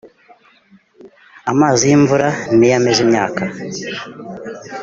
amazi y’imvura ni yo ameza imyaka